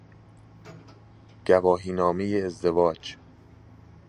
گواهی نامه ازدواج